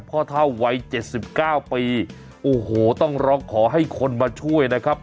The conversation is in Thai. เท่าวัยเจ็ดสิบเก้าปีโอ้โหต้องร้องขอให้คนมาช่วยนะครับ